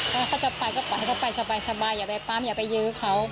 ถ้าเขาจะไปก็ปล่อยให้เขาไปสบายอย่าไปปั๊มอย่าไปยื้อเขา